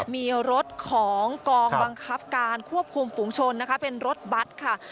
มีรถของกองบังคับการควบคุมฝูงชนนะคะเป็นรถบัตรค่ะ